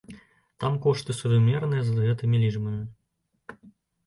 Там кошты сувымерныя з гэтымі лічбамі.